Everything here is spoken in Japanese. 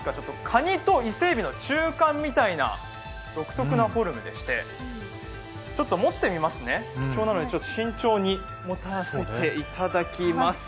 かにと伊勢えびの中間みたいな独特なフォルムでして持って見ますね、貴重なので慎重に持たせていただきます。